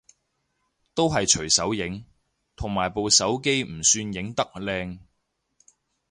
都係隨手影，同埋部手機唔算影得靚